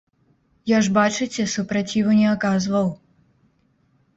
Я ж бачыце, супраціву не аказваў.